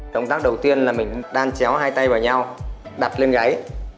động tác đầu tiên là mình đan chéo hai tay vào nhau đập lên gái